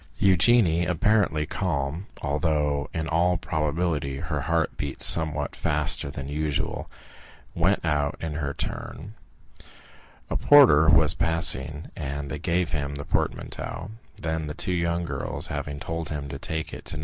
Eugénie, apparently calm, although in all probability her heart beat somewhat faster than usual, went out in her turn. A porter was passing and they gave him the portmanteau; then the two young girls, having told him to take it to No.